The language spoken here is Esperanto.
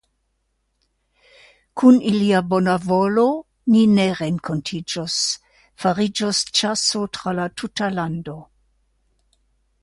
Kun ilia bona volo ni ne renkontiĝos; fariĝos ĉaso tra la tuta lando.